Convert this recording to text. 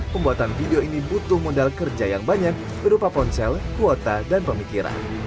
pembuatan video ini butuh modal kerja yang banyak berupa ponsel kuota dan pemikiran